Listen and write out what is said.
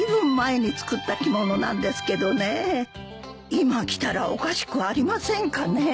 今着たらおかしくありませんかねえ？